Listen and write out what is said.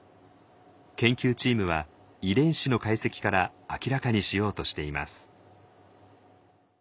研究チームは遺伝子の解析から明らかにしようとしています。